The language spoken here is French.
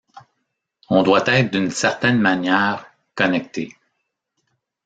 On doit être, d’une certaine manière, « connectés ».